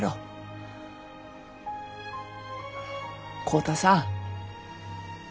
浩太さん